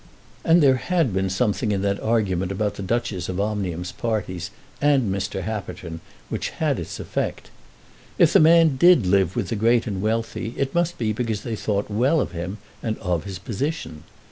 And there had been something in that argument about the Duchess of Omnium's parties, and Mr. Happerton, which had its effect. If the man did live with the great and wealthy, it must be because they thought well of him and of his position.